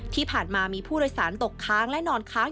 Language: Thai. ที่ผ่านมามีผู้โดยสารตกค้างและนอนค้าง